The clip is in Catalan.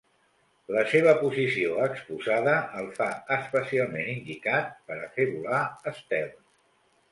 La seva posició exposada el fa especialment indicat per a fer volar estels.